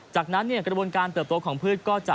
จากนั้นกระบวนการเติบโตของพืชก็จะ